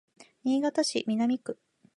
新潟市南区